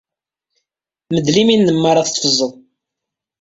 Meddel imi-nnem mi ara tettfeẓẓed.